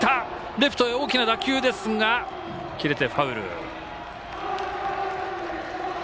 レフトに大きな打球ですが切れてファウル。